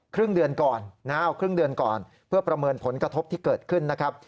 ครึ่งเดือนก่อนเพื่อประเมินผลกระทบที่เกิดขึ้นนะครับ